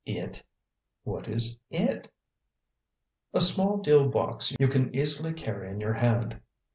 "It? What is 'It'?" "A small deal box you can easily carry in your hand.